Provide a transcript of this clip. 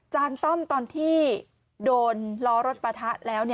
ต้อมตอนที่โดนล้อรถปะทะแล้ว